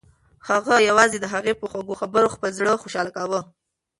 هغه یوازې د هغې په خوږو خبرو خپل زړه خوشحاله کاوه.